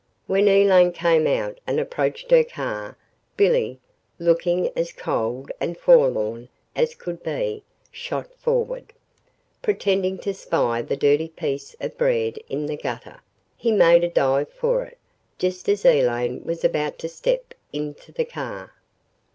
When Elaine came out and approached her car, Billy, looking as cold and forlorn as could be, shot forward. Pretending to spy the dirty piece of bread in the gutter, he made a dive for it, just as Elaine was about to step into the car.